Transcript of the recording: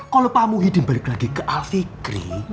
kalo pak muhyiddin balik lagi ke alfikri